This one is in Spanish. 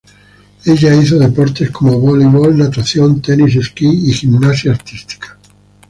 Ella hizo deportes como voleibol, natación, tenis, esquí y gimnasia artística.